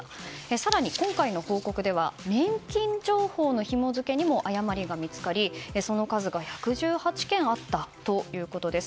更に今回の報告で年金情報の登録でも誤りが見つかり、その数が１１８件あったということです。